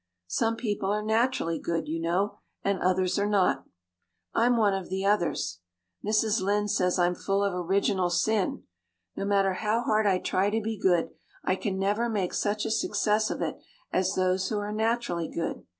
Some people are naturally good, you know, and others are not. I'm one of the others. Mrs. Lynde says I'm full of original sin. No matter how hard I try to be good I can never make such a success of it as those who are naturally good.